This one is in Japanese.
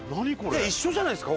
一緒じゃないですか？